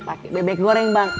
pakai bebek goreng bang